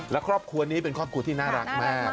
และครอบครัวนี้เป็นครอบครัวที่น่ารักมาก